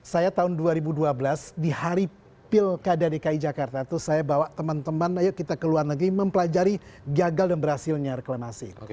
saya tahun dua ribu dua belas di hari pilkada dki jakarta itu saya bawa teman teman ayo kita ke luar negeri mempelajari gagal dan berhasilnya reklamasi